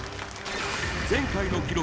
前回の記録